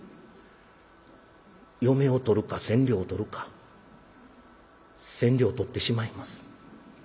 嫁を取るか千両を取るか千両取ってしまいます。